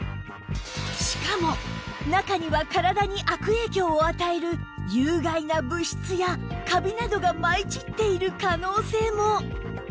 しかも中には体に悪影響を与える有害な物質やカビなどが舞い散っている可能性も